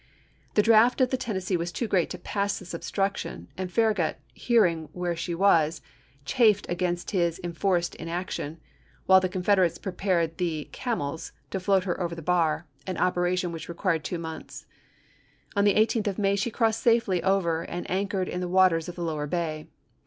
The draft of the Tennessee was too great to pass this obstruction and Farra gut, hearing where she was, chafed against his en forced inaction, while the Confederates prepared the " camels w to float her over the bar, an opera tion which required two months. On the 18th of May she crossed safely over and anchored in the ue* waters of the lower bay.